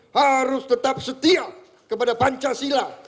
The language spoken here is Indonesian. harus tetap setia kepada pancasila